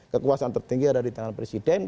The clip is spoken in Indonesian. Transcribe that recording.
kekuasaan tertinggi ada di tangan presiden